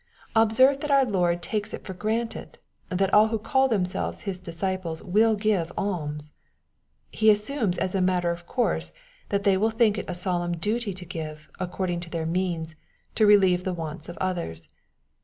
Observe that our Lord takes it for granted, that all who coil themselves His disciples will give alms. He assumes as a matter of course, that they will think it a solemn duty to give, according to their means, to relieve the wants of others.